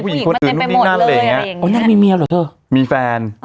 ผู้หญิงคนอื่นนี่นั่นอะไรอย่างเงี้ยอ๋อนั่นมีเมียเหรอเถอะมีแฟนอ๋อ